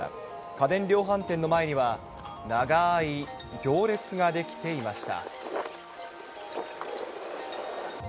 家電量販店の前には長い行列が出来ていました。